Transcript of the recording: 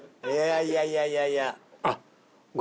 いやいやいやいや。